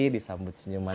ntar aku untuk lihat aja